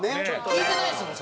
聞いてないですもん